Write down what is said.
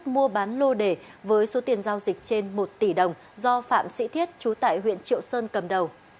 mua bán lô đề với số tiền giao dịch trên một tỷ đồng do phạm sĩ thiết chú tại huyện triệu sơn cầm đầu